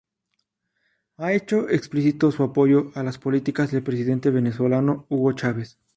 Ha hecho explícito su apoyo a las políticas del presidente venezolano Hugo Chávez.